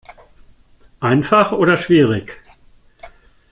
Einfach oder schwierig?